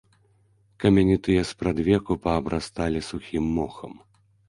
Камяні тыя спрадвеку паабрасталі сухім мохам.